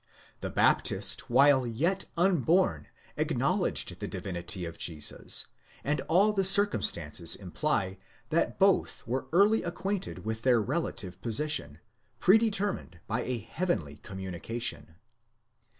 The Baptist while yet unborn acknowledged the divinity of Jesus, and all the circumstances imply that both were early acquainted with their relative position, predetermined by a heavenly communication.